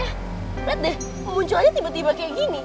lihat deh munculannya tiba tiba kayak gini